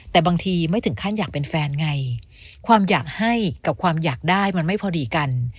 แต่บางทีไม่ถึงขั้นอยากเป็นแฟนไงความอยากให้กับความอยากได้มันไม่พอดีกัน